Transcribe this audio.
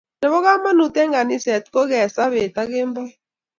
nebo kamangut eng kaniset ni ko kee saa bet ak kemboi